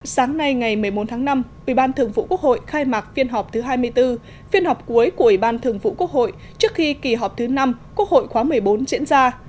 sáng nay ngày một mươi bốn tháng năm ủy ban thường vụ quốc hội khai mạc phiên họp thứ hai mươi bốn phiên họp cuối của ủy ban thường vụ quốc hội trước khi kỳ họp thứ năm quốc hội khóa một mươi bốn diễn ra